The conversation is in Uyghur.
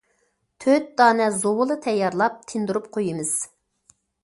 تۆت دانە زۇۋۇلا تەييارلاپ تىندۇرۇپ قويىمىز.